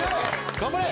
頑張れ！